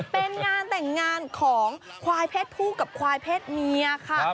เป็นงานแต่งงานของควายเพศผู้กับควายเพศเมียค่ะ